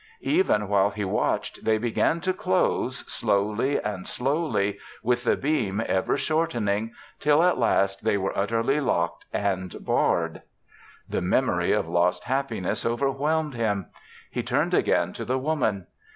Even while he watched they began to close, slowly and slowly, with the beam ever shortening, till at last they were utterly locked and barred. The memory of lost happiness overwhelmed him. He turned again to the Woman.